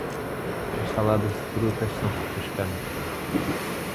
As saladas de frutas são refrescantes.